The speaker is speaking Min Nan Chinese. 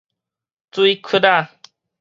水窟仔